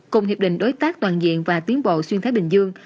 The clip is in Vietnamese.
cùng hiệp định đối tác toàn diện và tiến bộ xuyên thái bình dương